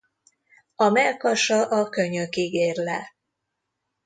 A mellkasa a könyökig ér le.